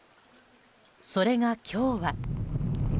それが今日は。